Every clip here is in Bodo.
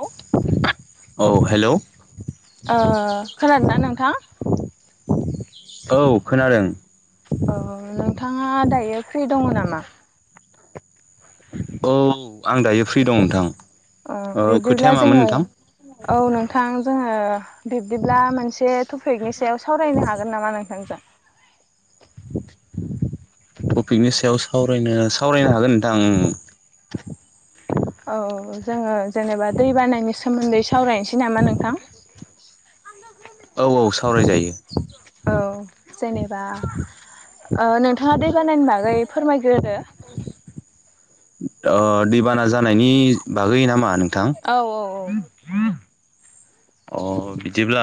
हेलौ औ हेलौ ओ खोनादों ना नोंथां। [inaudible] औ खोनादों। औ नोंथाङा दायो फ्रि दङ नामा। [inaudible] औ आं दायो फ्रि दं नोंथां अ ओ बिदिब्ला खोथाया मामोन जोंङो नोंथां औ नोंथां जोंङो। बिब्दिब्ला मोनसे टपिकनि सायाव सावरायनो हागोन नामा नोंथांजों [inaudible] टपिकनि सायाव सावरायनो सावरायनो हागोन नोंथां ओ। [inaudible] औ जोंङो जेनेबा दै बानायनि सोमोन्दै सावरायनोसै नामा नोंथां। [unintelligible] औ औ सावरायजायो। औ जेनेबा नोंथाङा दै बानायानि बागै फोरमायग्रोदो। ओ दैबाना जानायनि बागै नामा नों नोंथां। औ औ ओ बिदिब्ला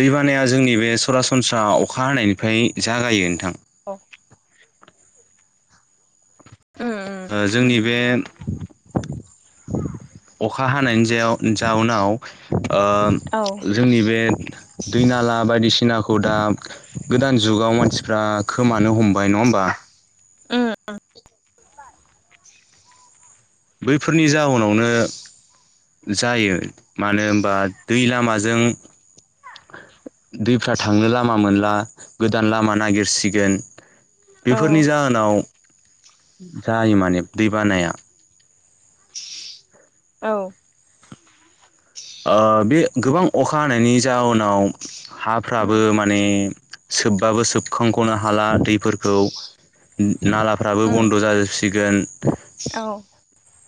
दैबान हानाया जोंनि बे सरासनस्रा अखा हानायनिफ्राय जागायो नोंथां औ। जोंनि बे। [unintelligible] अखा हानायनि जे जाउनाव। औ उम जोंनि बे दै नाला बायदिसिनाखौ दा गोदान जुगाव मानसिफ्रा खोमानो हमबाय नङा होमबा उओ उओ। बैफोरनि जाहोनावनो जायो मानो होनबा दै लामाजों। दैफ्रा थांनो लामा मोनला गोदान लामा नागिरसिगोन औ उम औ बेफोरनि जाहोनाव जायो माने दैबानाया। औ। ओ बे गोबां अखा हानायनि जाउनाव उम हाफ्राबो माने सोबबाबो सोबखांखनो हाला दैफोरखौ। नालाफ्राबो उम बन्द जाजोबसिगोन। औ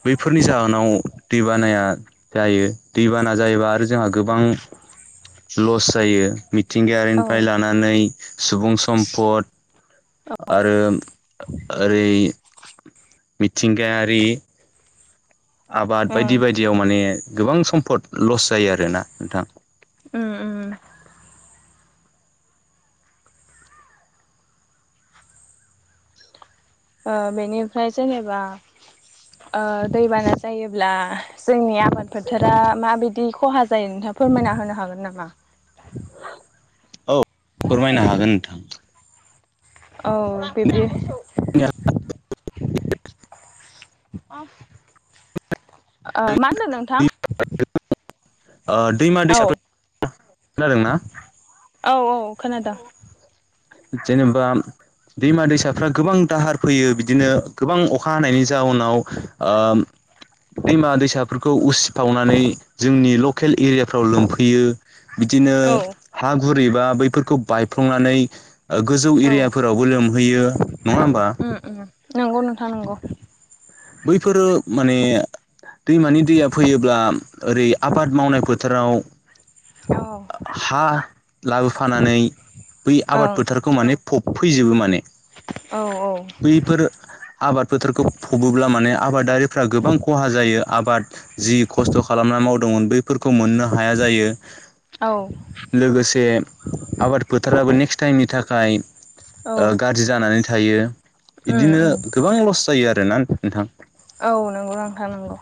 बैफोरनि जाहोनाव दैबानाया जायो दैबाना जायोबा आरो जोंहा गोबां लस जायो औ मिथिंगायारिनिफ्राय लानानै सुबुं सम्फद आरो ओरै मिथिंगायारि आबाद बायदि उम बायदियाव माने। गोबां सम्पद लस जायो आरोना नोंथां उम उम ओ बेनिफ्राय जेनेबा ओ दैबाना जायोब्ला जोंनिया आबाद फोथारा माबायदि खहा जायो नोंथाङा फोरमायना होनो हागोन नामा। औ फोरमायनो हागोन नोंथां। औ बिबदि [inaudible] ओ मा होनदों नोंथां दैमा औ दैसा खोनादों ना। खोना दां। जेनेबा दैमा दैसाफ्रा गोबां दाहार। फैयो बिदिनो गोबां अखा हानायनि जाउनाव ओ। दैमा दैसाफोरखौ उसिफावनानै जोंनि लकेल एरियाफ्राव लोमफैयो बिदिनो औ हा गुरैबा बैफोरखौ बायफ्लंनानै। गोजौ औ एरियाफोरावबो लोमहैयो नङा होमबा। ओम ओम नंगौ नोंथां नंगौ बैफोरो माने। दैमानि दैया फैयोब्ला ओरै आबाद मावनाय फोथाराव। औ हा लाबोफानानै बै आबाद ओं फोथारखौ माने फबफैजोबो माने। औ औ। बैफोर आबाद फोथारखौ। फबोब्ला माने आबादारिफ्रा गोबां खहा जायो आबाद जि खस्थ खालामना मावदोंमोन बैफोरखौ। मोननो हाया जायो औ लोगोसे आबाद फोथाराबो नेकस्ट टाइमनि थाखाय औ गाज्रि जानानै थायो उम बिदिनो उम गोबां लस जायो आरोना नोंथां। औ नंगौ नोंथां नंगौ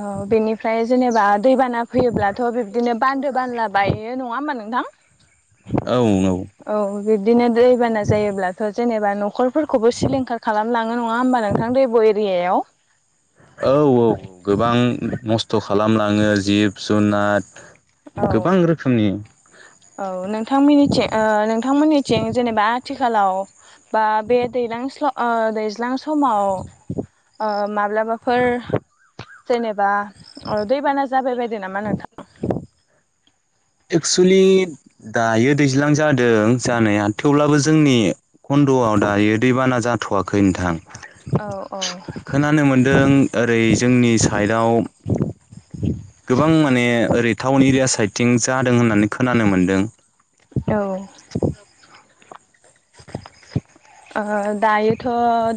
औ बेनिफ्राय जेनेबा दैबाना फैयोब्लाथ' बिब्दिनो बान्दो बानला बायो नङा नङा होमबा नोंथां औ औ। औ बिब बिदिनो दैबाना जायोब्लाथ' जेनेबा न'खरफोरखौबो सिलिंखार खालामलाङो नङा होमबा नोंथां दैब' एरि बेयाव। औ औ औ गोबां नस्थ' खालामलाङो जिब जुनार औ गोबां रोखोमनि औ नोंथां मोननिथिं ओ नोंथांमोननिथिं जेनेबा आथिखालाव बा बे दैज्लां समाव। माब्लाबाफोर जेनेबा दैबाना जाबाय बायदों नामा नोंथां। एक्सुुलि दायो दैज्लां जादों जानाया थेवब्लाबो जोंनि कन्द'आव दायो दैबाना जाथ'वाखै नोंथां। औ औ खोनानो मोनदों ओरै जोंनि साइदाव गोबां माने ओरै टाउन एरिया साइडथिं जादों होननानै खोनानो मोनदों। औ। ओं दा योथ'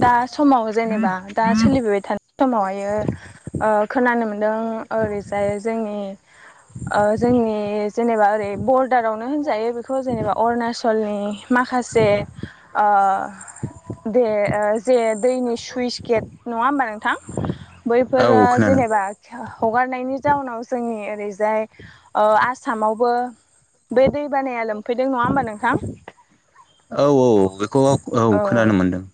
दा समाव जेनेबा दा सोलिबोबाय थानाय समावहायो ओ खोनानो मोन ओरैजाय जोंनि ओ जोंनि जेनेबा ओरै बर्डारावनो होनजायो बेखौ जेनेबा अरुणाचलनि माखासे जे ओह दे जे दैनि सुइस गेट नङा होमबा नोंथां। बैफोरा औ खोनादों जेनेबा हगारनायनि जाउनाव जोंनि ओरैजाय ओ आसामावबो बे दै बानाया लोमफैदों नङा होमबा नोंथां? औ औ बेखौ औ खोनानो मोनदों ।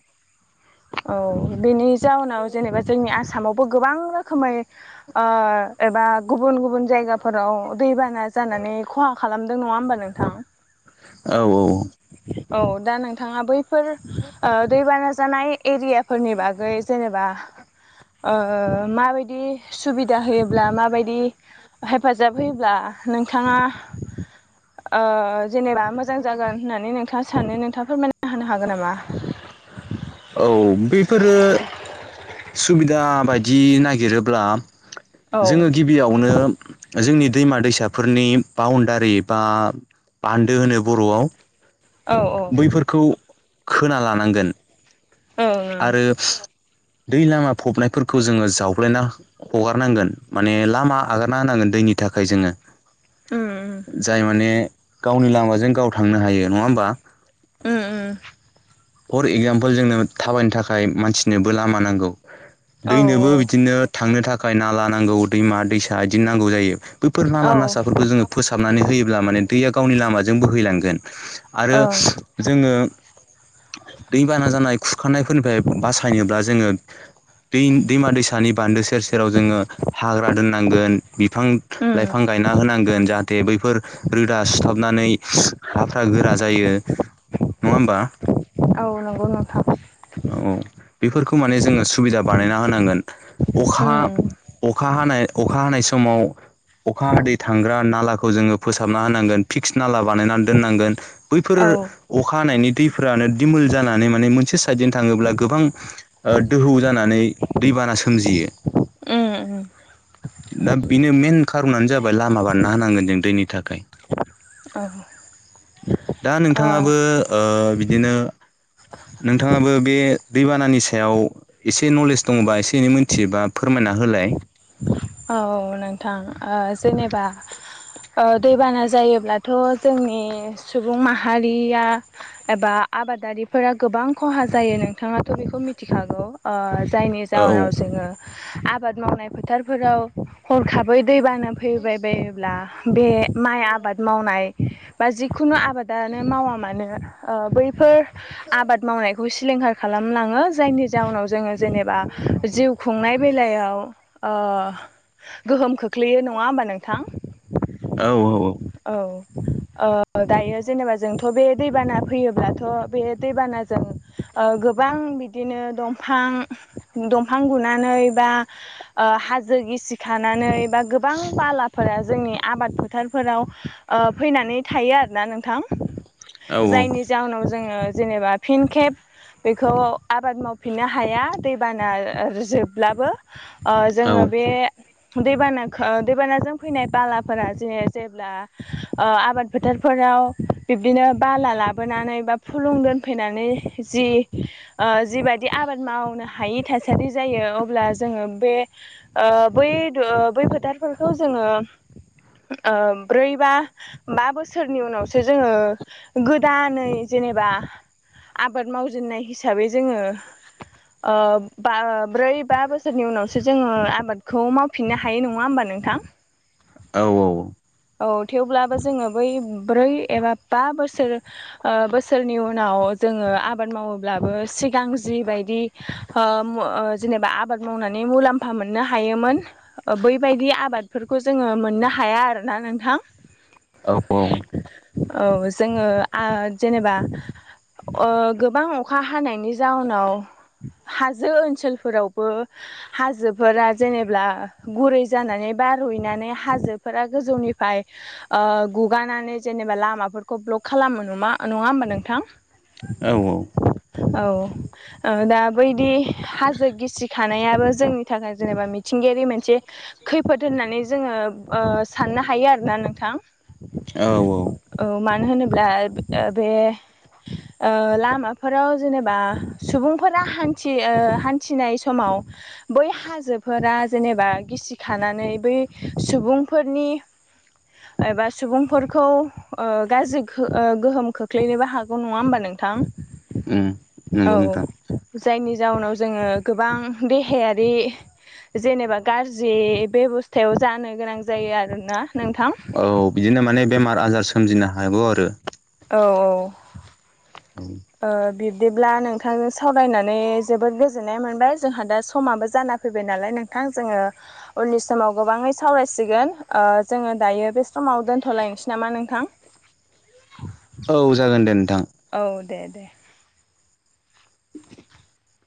औ बेनि जाउनाव जेनेबा जोंनि आसाम मावबो गोबां रोखोमै एबा गुबुन गुबुन जायगाफोराव दैबाना जानानै खहा खालामदों नङा होमबा नोंथां औ औ। औ दा नोंथाङा बैफोर ओ दैबाना जानाय एरिया फोरनि बागै जेनेबा ओ माबायदि सुबिदा होयो ब्ला माबायदि हेफाजाब होयोब्ला नोंथाङा ओ जेनेबा मोजां जागोन होननानै नोंथाङा सानो नोंथाङा फोरमायना होनो हागोन नामा। औ बेफोरो सुबिदा बायदि नागिरोब्ला औ जोङो गिबियावनो जोंनि दैमा दैसाफोरनि बाउण्डारि बा बान्दो होनो बर'आव औ ओं बैफोरखौ खोना लानांगोन। ओं आरो [inaudible] दै लामा फबनायफोरखौ जोङो जावबलायना हगारनांगोन माने लामा आगारना होनांगोन दैनि था। थाखाय जोङो। उम जाय माने गावनि लामाजों गाव थांनो हायो नङा होमबा। उम उम फर एगजामपोल जोंनो थाबायनो थाखाय मानसिनोबो लामा नांगौ। औ दैनोबो बिदिनो थांनो थाखाय नाला नांगौ दैमा दैसा बिदिनो नांगौ जायो। बैफोर औ नाला नासाफोरखौ जोङो फोसाबनानै होयोब्ला माने दैया गावनि लामाजों बोहैलांगोन आरो ओं जोङो। दैबाना जानाय खुरखानायफोरनिफ्राय बासायनोब्ला जोङो। दै दैमा दैसानि बान्दो सेर सेर जेराव जोङो हाग्रा दोननांगोन बिफां उम लाइफां गायना होनांगोन जाहाथे बैफोर रोदा सुथाबनानै हाफ्रा गोरा जायो नङा होमबा? औ नंगौ नोंथां औ बेफोरखौ माने जोङो सुबिदा बानायना होनांगोन अखा उम अखा हानाय अखा हानाय समाव अखा हादै थांग्रा नालाखौ जोङो फोसाबना होनांगोन फिक्स नाला बानायनानै दोननांगोन। बैफोर औ अखा हानायनि दै फोरानो दिमल जानानै माने मोनसे साइदजों थाङोब्ला गोबां ओ दोहौ जानानै दैबाना सोमजियो। ओम। दा बेनो मेन खारनानो जाबाय लामा बानायना होनांगोन जों दैनि थाखाय। औ। दा ओ नोंथाङाबो ओ बिदिनो नोंथाङाबो बे दैबानानि सायाव एसे नलेज दङबा एसे एनै मोनथियोबा फोरमाय ना होलाय। औ नोंथां ओ जेनेबा ओ दैबाना जायोब्लाथ' जोंनि सुबुं माहारिया एबा आबादारिफोरा गोबां खहा जायो नोंथाङाथ' बेखौ मिथिखागौ। जायनि औ जाहोनाव जोङो आबाद मावनाय फोथारफोराव हरखाबै दै बाना फैबाय बायोब्ला बे माइ आबाद मावनाय बा जिखुनु आबादानो मावा मानो ओ बैफोर आबाद मावनायखौ। बेखौ सिलिंखार खालामलाङो जायनि जाउनाव जोङो जेनेबा जिउ खुंनाय बेलायाव ओ गोहोम खोख्लैयो नङा होमबा नोंथां? औ औ। औ ओ दायो जेनेबा जोंथ' बे दैबाना फैयोब्लाथ' बे दैबानाजों । गोबां बिदिनो दंफां दंफां गुनानै बा ओ हाजो गिसि खानानै बा गोबां बालाफोरा जोंनि आबाद फोथारफोराव फैनानै थायो आरोना नोंथां औ जायनि जाहोनाव जोङो जेनेबा फिन खेब बेखौ आबाद मावफिननो हाया दैबाना जोबब्लाबो । जोङो बे। दैबाना दैबानाजों फैनाय बालाफोरा जे जेब्ला आबाद फोथारफोरा थां बिदिनो बाला लाबोनानै बा फुलुं दोनफैनानै जि ओ जिबायाददि आबाद मावनो हायि थासारि जायो अब्ला जोङो बे बै बै फोथारफोरखौ जोङो ओ ब्रै बा बा बोसोरनि उनावसो जोङो गोदानै जेनेबा आबाद मावजेननाय हिसाबै जोङो ओ बा ब्रै बा बसोरनि उनावसो जोङो आबादखौ मावफिननो हायो नङा होमबा नोंथां। औ औ। औ थेवब्लाबो जोङो बै ब्रै एबा बा बोसोर ओ बोसोरनि उनाव जोङो आबाद मावोब्लाबो सिगां जिबायदि जेनेबा आबाद मावनानै मुलाम्फा मोननो हायोमोन बैबायदि आबादफोरखौ जोङो मोननो हाया आरोना नोंथाङा। ‌ [inaudible] औ औ। औ जोङो जेनेबा गोबां अखा । हानायनि जाउनाव हाजो ओनसोलफोरावबो हाजोफोरा जेनेबा गुरै जानानै बारहैनानै हाजोफोरा गोजौनि निफ्राय गुगानानै जेनेबा लामाफोरखौ ब्लक खालामो ना नङा होमबा नोंथां। औ औ औ दा बैदि हाजो गिसि थानायाबो जोंनि थाखाय जेनेबा मिथिंगायारि मोनसे खैफोद होननानै जोङो साननो हायो आरोना नोंथां। औ औ मा मानो होनोब्ला ओ बे ओ लामाफोराव जेनेबा सुबुंफोरा हान्थि हान्थिनाय समाव बै हाजोफोरा जेनेबा गिसिखानानै बै सुबुंफोरनि [inaudible] एबा सुबुंफोरखौ ओ गाज्रि गोहोम खोख्लैनोबो हागौ नङा होमबा नोंथां उम औ नंगौ नोंथां जायनि जाउनाव जोङो गोबां देहायारि जेनेबा गाज्रि बेबस्थायाव जानो गोनां जायो आरोना नोंथां औ बिदिनो माने बेमार आजार सोमजिनो हागौ आरो औ औ। ओ बिब्दिब्ला नोंथांजों सावरायनानै ओ जबोद गोजोन्नाय मोनबाय जोंहा दा समाबो जाना फैबाय नालाय नोंथां जोङो उननि समाव गोबाङै सावरायसिगोन जोङो दायो बे समाव दोन्थ'लायनोसै नामा नोंथां [inaudible] औ जागोन दे। नोंथां औ दे दे। [inaudible]